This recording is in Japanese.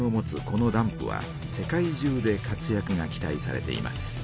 このダンプは世界中で活やくが期待されています。